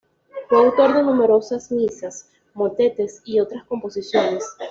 Fue autor de numerosas misas, motetes y otras composiciones.